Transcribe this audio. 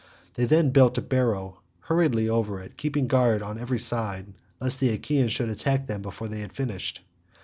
Then they built a barrow hurriedly over it keeping guard on every side lest the Achaeans should attack them before they had finished.